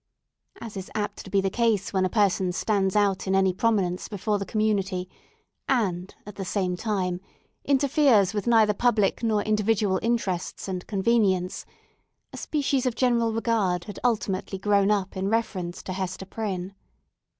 As is apt to be the case when a person stands out in any prominence before the community, and, at the same time, interferes neither with public nor individual interests and convenience, a species of general regard had ultimately grown up in reference to Hester Prynne.